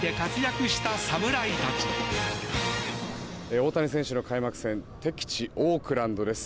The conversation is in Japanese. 大谷選手の開幕戦敵地オークランドです。